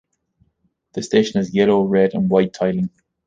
The station has yellow, red and white tiling.